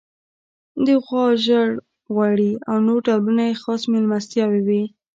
د غوا ژړ غوړي او نور ډولونه یې خاص میلمستیاوې وې.